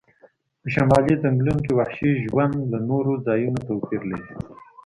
په شمالي ځنګلونو کې وحشي ژوند له نورو ځایونو توپیر لري